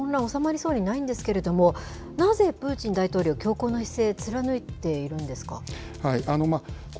本当に混乱、収まりそうにないんですけれども、なぜプーチン大統領、強硬の姿勢、貫いているんですか。